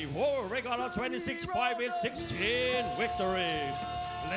วิกเตอรี่วิกเตอรี่วิกเตอรี่วิกเตอรี่